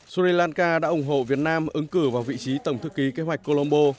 sri lanka đã ủng hộ việt nam ứng cử vào vị trí tổng thư ký kế hoạch colombo